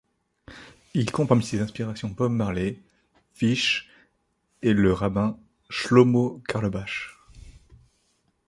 Il compte parmi ses inspirations Bob Marley, Phish et le rabbin Shlomo Carlebach.